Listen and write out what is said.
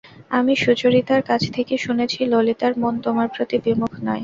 আমি সুচরিতার কাছ থেকে শুনেছি ললিতার মন তোমার প্রতি বিমুখ নয়।